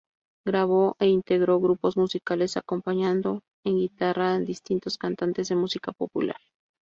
Grabó e integró grupos musicales acompañando en guitarra a distintos cantantes de música popular.